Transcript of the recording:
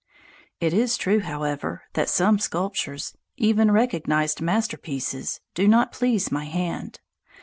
It is true, however, that some sculptures, even recognized masterpieces, do not please my hand.